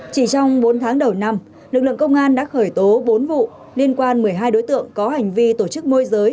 chỉ trong bốn tháng đầu năm lực lượng công an đã khởi tố bốn vụ liên quan một mươi hai đối tượng có hành vi tổ chức môi giới